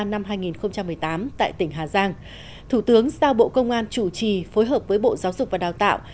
năm hai nghìn một mươi tám tại tỉnh hà giang thủ tướng sau bộ công an chủ trì phối hợp với bộ giáo dục và đào tạo